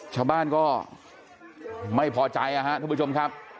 ชาวบ้านก็ไม่พอใจนะครับทุกผู้ชมครับ